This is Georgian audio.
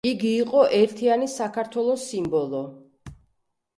იგი იყო ერთიანი საქართველოს სიმბოლო.